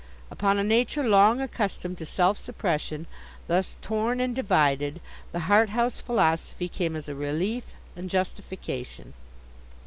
Upon a nature long accustomed to self suppression, thus torn and divided, the Harthouse philosophy came as a relief and justification.